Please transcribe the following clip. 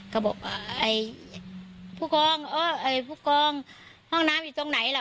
เขาบอกผู้กองผู้กองห้องน้ำอยู่ตรงไหนล่ะ